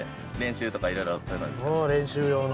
練習用の。